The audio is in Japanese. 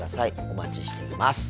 お待ちしています。